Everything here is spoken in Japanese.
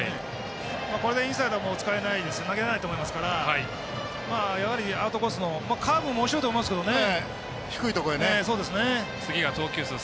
これでインサイド使えない投げれないと思いますからアウトコースのカーブもおもしろいと思うんですけどね。